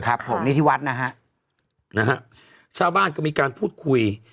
ครับผมนี่ที่วัดนะฮะนะฮะชาวบ้านก็มีการพูดคุย